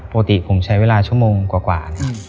ปกติผมใช้เวลาชั่วโมงกว่านะครับ